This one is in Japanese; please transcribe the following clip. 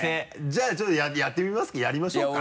じゃあねちょっとやってみますかやりましょうか。